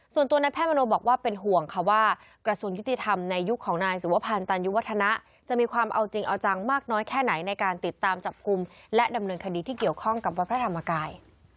ส่วนตัวนายแพทย์มโนบอกว่าเป็นห่วงค่ะว่ากระทรวงยุติธรรมในยุคของนายสุวพันธ์ตันยุวัฒนะจะมีความเอาจริงเอาจังมากน้อยแค่ไหนในการติดตามจับกลุ่มและดำเนินคดีที่เกี่ยวข้องกับวัดพระธรรมกาย